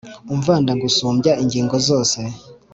umva ndagusumbya ingingo zose.